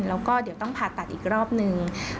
แล้วก็เดี๋ยวต้องผ่าตัดอีกรอบนึง